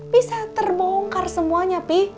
bisa terbongkar semuanya pi